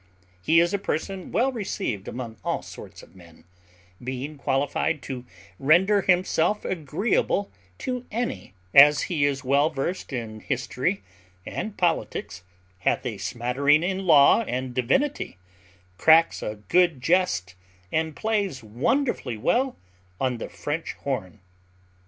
He is a person well received among all sorts of men, being qualified to render himself agreeable to any; as he is well versed in history and politics, hath a smattering in law and divinity, cracks a good jest, and plays wonderfully well on the French horn.